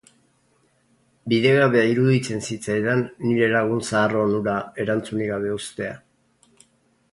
Bidegabea iruditzen zitzaidan nire lagun zahar on hura erantzunik gabe uztea.